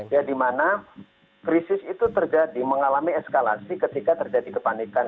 ya dimana krisis itu terjadi mengalami eskalasi ketika terjadi kepanikan